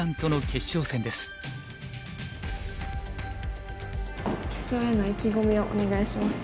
決勝への意気込みをお願いします。